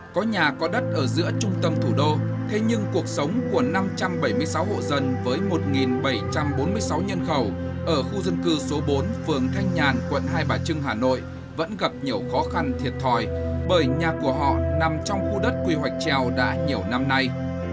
có nhà có đất ở giữa trung tâm thủ đô thế nhưng cuộc sống của năm trăm bảy mươi sáu hộ dân với một bảy trăm bốn mươi sáu nhân khẩu ở khu dân cư số bốn phường thanh nhàn quận hai bà trưng hà nội vẫn gặp nhiều khó khăn thiệt thòi bởi nhà của họ nằm trong khu đất quy hoạch treo đã nhiều năm nay